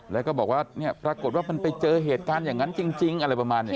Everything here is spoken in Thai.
แล้วก็บอกว่าเนี่ยปรากฏว่ามันไปเจอเหตุการณ์อย่างนั้นจริงอะไรประมาณนี้